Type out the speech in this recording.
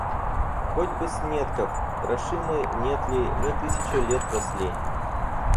Хоть бы Снетков... Хороши мы, нет ли, мы тысячу лет росли.